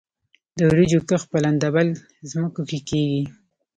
د وریجو کښت په لندبل ځمکو کې کیږي.